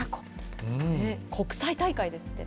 国際大会ですって。